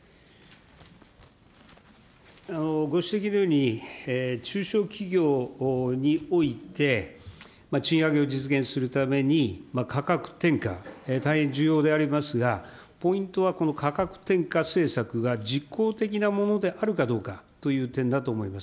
ご指摘のように、中小企業において、賃上げを実現するために価格転嫁、大変重要でありますが、ポイントはこの価格転嫁政策が実効的なものであるかどうかという点だと思います。